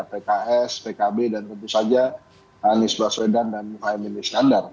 pks pkb dan tentu saja anies baswedan dan fahim milih skandar